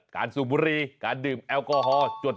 สูบบุรีการดื่มแอลกอฮอล์